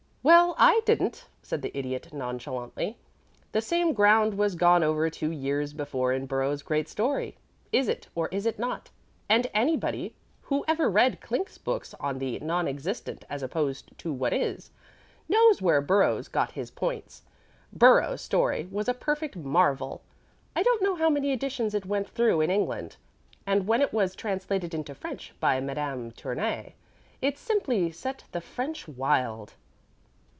"Well, I didn't," said the Idiot, nonchalantly. "The same ground was gone over two years before in Burrows's great story, Is It, or Is It Not? and anybody who ever read Clink's books on the Non Existent as Opposed to What Is, knows where Burrows got his points. Burrows's story was a perfect marvel. I don't know how many editions it went through in England, and when it was translated into French by Madame Tournay, it simply set the French wild."